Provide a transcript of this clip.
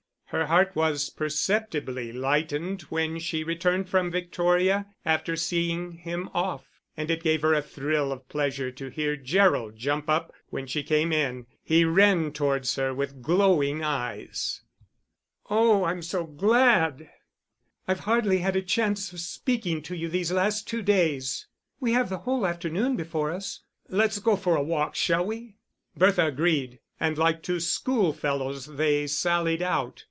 Her heart was perceptibly lightened when she returned from Victoria after seeing him off, and it gave her a thrill of pleasure to hear Gerald jump up when she came in. He ran towards her with glowing eyes. "Oh, I'm so glad. I've hardly had a chance of speaking to you these last two days." "We have the whole afternoon before us." "Let's go for a walk, shall we?" Bertha agreed, and like two schoolfellows they sallied out.